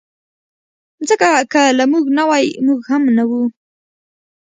مځکه که له موږ نه وای، موږ هم نه وو.